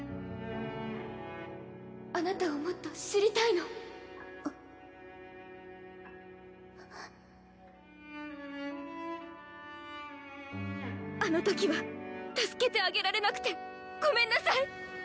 あなたをもっと知りたいのあっあのときは助けてあげられなくてごめんなさい。